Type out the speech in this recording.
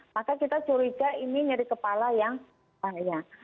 maka kita curiga ini nyeri kepala yang bahaya